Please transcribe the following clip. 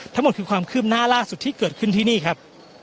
ทั้งหมดคือความคืบหน้าล่าสุดที่เกิดขึ้นที่นี่ครับ